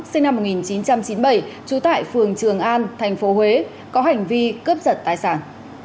sinh năm một nghìn chín trăm chín mươi bảy trú tại phường trường an thành phố huế có hành vi cướp giật tài sản